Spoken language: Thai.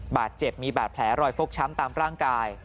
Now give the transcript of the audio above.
บาดเจ็บมีบาดแผลรอยฟกช้ำตามร่างกาย